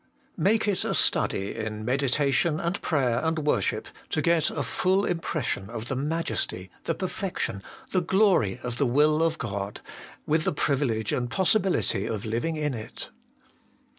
J. Make It a study, In meditation and prayer and worship, to get a full Impression of the Majesty, the Perfection, the Glory of the Will of God, with the privilege and possibility of living in it.